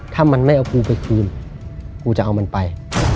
ถ้ามันไม่เอากูไปคืนกูจะเอามันไป